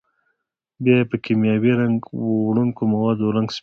بیا یې په کېمیاوي رنګ وړونکو موادو رنګ سپینوي.